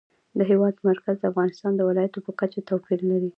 د هېواد مرکز د افغانستان د ولایاتو په کچه توپیر لري.